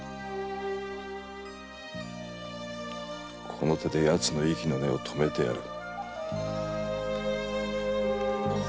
この手でヤツの息の根を止めてやる。